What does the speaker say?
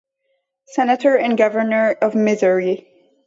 Senator and Governor of Missouri.